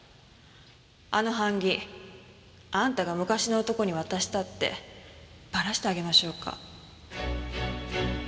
あの版木あんたが昔の男に渡したってバラしてあげましょうか？